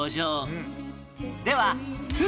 では